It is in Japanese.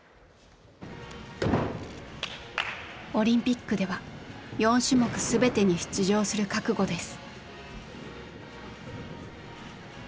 オリンピックでは４種目全てに出場する覚悟です。